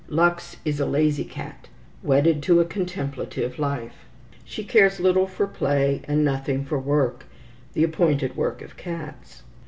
Lux is a lazy cat, wedded to a contemplative life. She cares little for play, and nothing for work, the appointed work of cats.